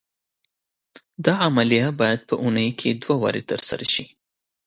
دا عملیه باید په اونۍ کې دوه وارې تر سره شي.